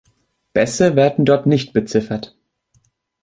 Bässe werden dort nicht beziffert.